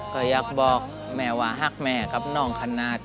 ก็อยากบอกแม่ว่าหักแม่กับน้องขนาด